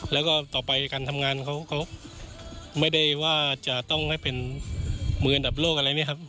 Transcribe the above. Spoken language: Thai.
แล้วก็ต่อไปการทำงานเขาไม่ได้ว่าจะต้องให้เป็นมืออันดับโลกอะไรเนี่ยครับ